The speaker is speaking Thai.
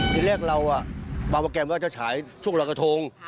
ที่แรกเราบางประแกรมก็จะถ่ายช่วงรักธง